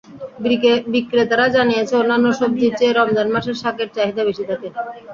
বিক্রেতারা জানিয়েছেন, অন্যান্য সবজির চেয়ে রমজান মাসে শাকের চাহিদা বেশি থাকে।